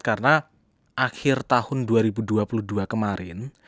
karena akhir tahun dua ribu dua puluh dua kemarin